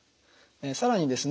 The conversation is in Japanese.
更にですね